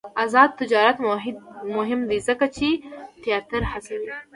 آزاد تجارت مهم دی ځکه چې تیاتر هڅوي.